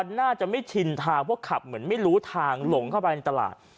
น่าจะไม่ชินทางเพราะขับเหมือนไม่รู้ทางหลงเข้าไปในตลาด